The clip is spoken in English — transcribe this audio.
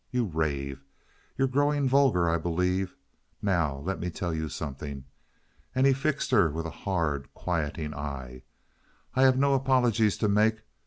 You rave. You're growing vulgar, I believe. Now let me tell you something." And he fixed her with a hard, quieting eye. "I have no apologies to make.